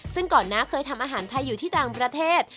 ซึ่งก่อนน้าเคยทำอาหารไทยอยู่ที่ต่างประเทศ